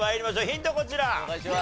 ヒントこちら。